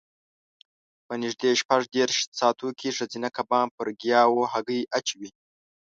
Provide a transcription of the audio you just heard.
په نږدې شپږ دېرش ساعتو کې ښځینه کبان پر ګیاوو هګۍ اچوي.